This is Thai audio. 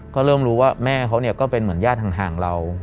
ก็เริ่มรู้ว่าแม่เขาก็เป็นเหมือนญาติห่างเรา